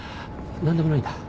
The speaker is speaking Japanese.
何でもないんだ。